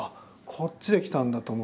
こっちできたんだと思って。